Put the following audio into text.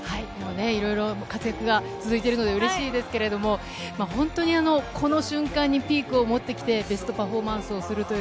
いろいろ活躍が続いてるので嬉しいですけれど本当にこの瞬間にピークを持ってきてベストパフォーマンスをするという